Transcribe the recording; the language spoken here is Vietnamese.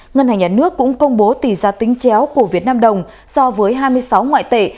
ngân hàng nhà nước cũng công bố tỷ giá tính chéo của việt nam đồng so với hai mươi sáu ngoại tệ